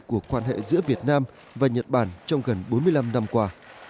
của quan hệ giữa việt nam và nhật bản trong gần bốn mươi năm năm qua